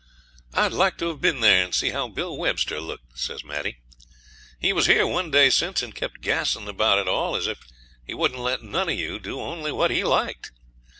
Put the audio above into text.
'I'd like to have been there and see how Bill Webster looked,' says Maddie. 'He was here one day since, and kept gassin' about it all as if he wouldn't let none of you do only what he liked.